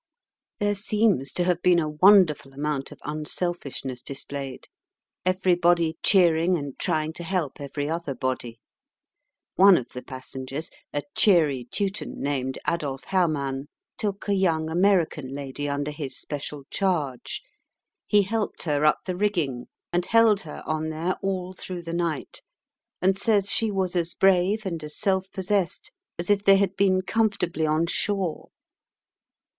There seems to have been a wonderful amount of unselfishness displayed, everybody cheering and trying to help every other body. One of the passengers a cheery Teuton, named Adolph Herrmann took a young American lady under his special charge. He helped her up the rigging and held her on there all through the night, and says she was as brave and as self possessed as if they had been comfortably on shore.